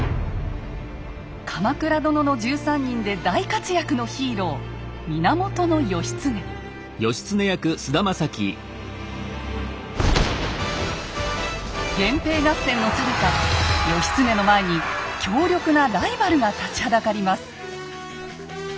「鎌倉殿の１３人」で大活躍のヒーロー源平合戦のさなか義経の前に強力なライバルが立ちはだかります。